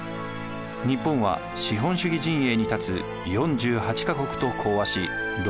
日本は資本主義陣営に立つ４８か国と講和し独立。